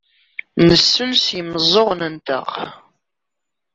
Nsell s yimeẓẓuɣen-nteɣ.